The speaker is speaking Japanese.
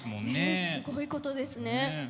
ねえすごいことですね。